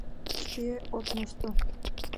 Шке от мошто.